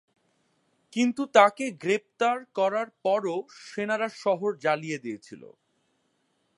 কিন্তু তাঁকে গ্রেপ্তার করার পরও সেনারা শহর জ্বালিয়ে দিয়েছিল।